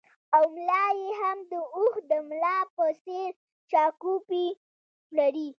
او ملا یې هم د اوښ د ملا په څېر شاکوپي لري